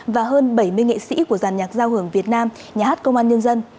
và hơn bảy mươi nghệ sĩ của giàn nhạc giao hưởng việt nam nhà hát công an nhân dân